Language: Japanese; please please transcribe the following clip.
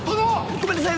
ごめんなさい！